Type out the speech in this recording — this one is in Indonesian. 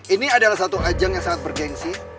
ini adalah satu ajang yang sangat bergensi